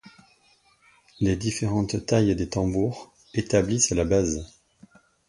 Les différentes tailles des tambours établissent la base.